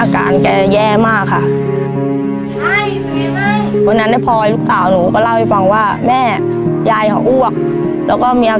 ครมวันนั้นหนูไปทำงานอาการแก่เยี่ยมาก